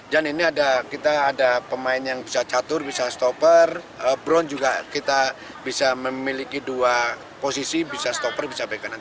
dan ini ada kita ada pemain yang bisa catur bisa stopper brown juga kita bisa memiliki dua posisi bisa stopper bisa baik kanan